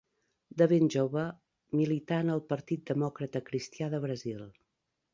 De ben jove milità en el Partit Demòcrata Cristià de Brasil.